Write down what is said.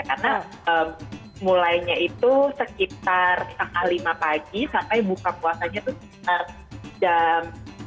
karena mulainya itu sekitar tanggal lima pagi sampai buka puasanya tuh sekitar jam